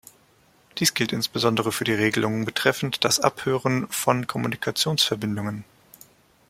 Dies gilt insbesondere für die Regelungen betreffend das Abhören von Kommunikationsverbindungen.